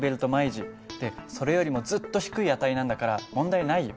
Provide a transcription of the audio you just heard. でそれよりもずっと低い値なんだから問題ないよ。